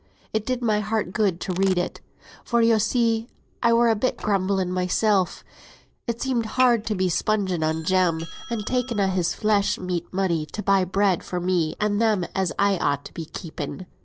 It did my heart good to read it; for, yo see, I were a bit grumbling mysel; it seemed hard to be spunging on Jem, and taking a' his flesh meat money to buy bread for me and them as I ought to be keeping.